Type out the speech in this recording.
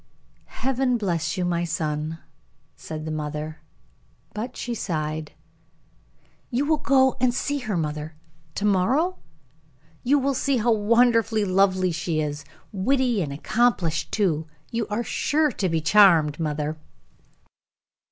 "Heaven bless you, my son!" said his mother; but she sighed. "You will go and see her, mother, to morrow? You will see how wonderfully lovely she is; witty and accomplished, too; you are sure to be charmed, mother!"